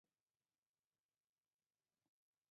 لکه هغه څاه چې سرپوښ نه لري یا د ودانیو د مسالو غورځېدو وېره.